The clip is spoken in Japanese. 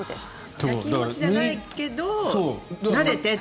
やきもちじゃないけどなでてって。